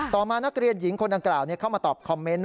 ต่อมานักเรียนหญิงคนดังกล่าวเข้ามาตอบคอมเมนต์